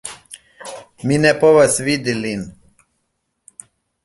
Mi ne povas vidi lin